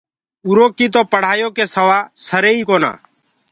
اُرو ڪي تو پڙهآيو ڪي سِوآ سري ئي ڪونآ۔